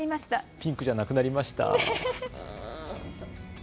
ピンクじゃなくなりました。